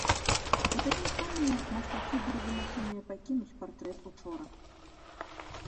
У такім стане мастакі былі вымушаныя пакінуць партрэт учора.